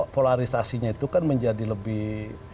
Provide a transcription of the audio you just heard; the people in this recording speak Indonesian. polarisasinya itu kan menjadi lebih